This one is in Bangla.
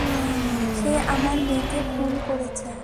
সে আমার মেয়েকে খুন করেছে!